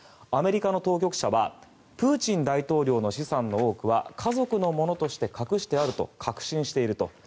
アメリカの当局者はプーチン大統領の資産の多くは家族のものとして隠してあると確信していると。